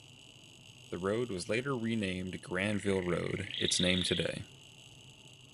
The road was later renamed Granville Road, its name today.